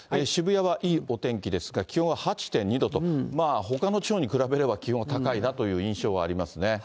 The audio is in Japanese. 渋谷はいいお天気ですが、気温は８．２度と、ほかの地方に比べれば、気温高いなという印象はありますね。